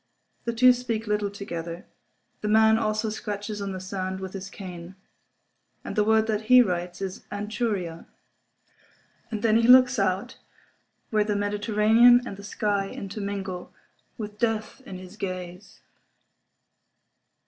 The two speak little together. The man also scratches on the sand with his cane. And the word that he writes is "Anchuria." And then he looks out where the Mediterranean and the sky intermingle, with death in his gaze.